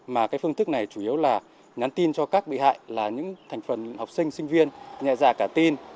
mà cái phương thức này chủ yếu là nhắn tin cho các bị hại là những thành phần học sinh sinh viên nhẹ dạ cả tin